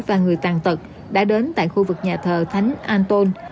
và người tàn tật đã đến tại khu vực nhà thờ thánh an tôn